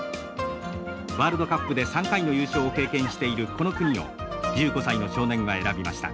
ワールドカップで３回の優勝を経験しているこの国を１５歳の少年は選びました。